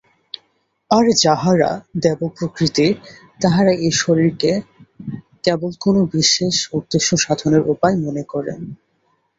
আর যাঁহারা দেবপ্রকৃতি, তাঁহারা এই শরীরকে কেবল কোন বিশেষ উদ্দেশ্য-সাধনের উপায় মনে করেন।